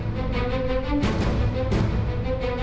สวัสดีครับ